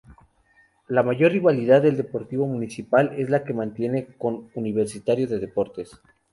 La mayor rivalidad del Deportivo Municipal es la que mantiene con Universitario de Deportes.